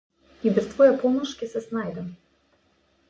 И без твоја помош ќе се снајдам.